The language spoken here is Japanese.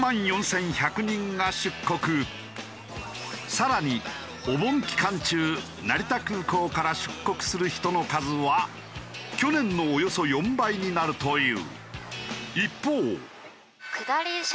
さらにお盆期間中成田空港から出国する人の数は去年のおよそ４倍になるという。